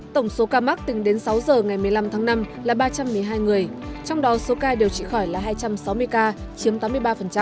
tổng số ca mắc tính đến sáu giờ ngày một mươi năm tháng năm là ba trăm một mươi hai người trong đó số ca điều trị khỏi là hai trăm sáu mươi ca chiếm tám mươi ba